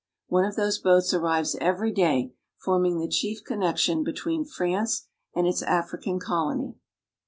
One of those boats arrives every day, forming the chief connection between France and its African colony.